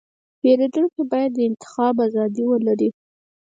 پیرودونکی باید د انتخاب ازادي ولري.